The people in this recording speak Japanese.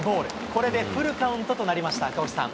これでフルカウントとなりました、赤星さん。